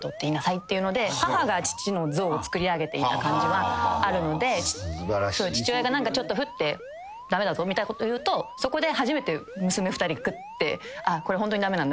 母が父の像をつくり上げていた感じはあるので父親がちょっとフッて「駄目だぞ」みたいなこと言うとそこで初めて娘２人グッてこれホントに駄目なんだな